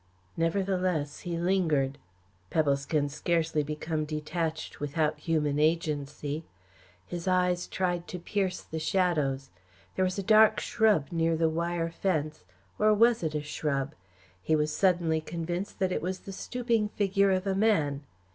Nevertheless he lingered. Pebbles can scarcely become detached without human agency. His eyes tried to pierce the shadows. There was a dark shrub near the wire fence or was it a shrub? He was suddenly convinced that it was the stooping figure of a man.